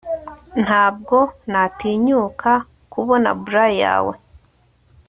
Ntabwo natinyuka kubona blus yawe